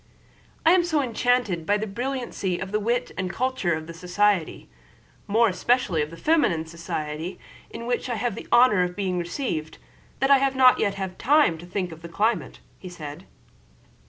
"I am so enchanted by the brilliancy of the wit and culture of the society, more especially of the feminine society, in which I have had the honor of being received, that I have not yet had time to think of the climate," said he.